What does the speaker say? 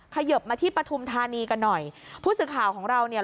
เขยิบมาที่ปฐุมธานีกันหน่อยผู้สื่อข่าวของเราเนี่ย